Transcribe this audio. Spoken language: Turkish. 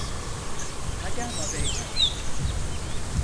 Hadi ama beyler.